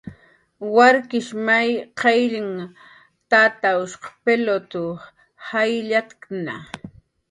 Warkish may qaylllanh tatshq pilut jayllatkna